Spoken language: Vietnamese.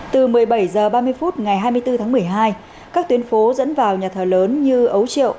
từ một mươi bảy h ba mươi phút ngày hai mươi bốn tháng một mươi hai các tuyến phố dẫn vào nhà thờ lớn như ấu triệu